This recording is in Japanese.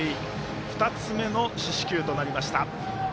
２つ目の四死球となりました。